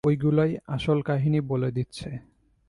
এগুলোই আসল কাহিনী বলে দিচ্ছে।